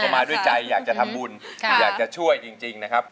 มาด้วยใจอยากจะทำบุญอยากจะช่วยจริงนะครับ